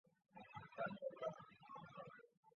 陆广霖为乾隆四年己未科进士。